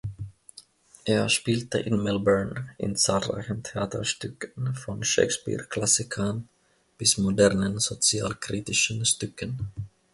Er spielte in Melbourne in zahlreichen Theaterstücken, von Shakespeare-Klassikern bis modernen sozialkritischen Stücken.